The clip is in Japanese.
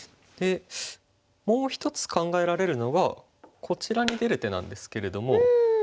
もう１つ考えられるのがこちらに出る手なんですけれども。